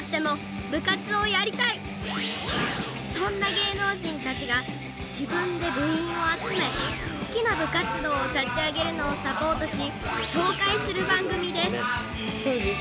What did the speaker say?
［そんな芸能人たちが自分で部員を集め好きな部活動を立ち上げるのをサポートし紹介する番組です］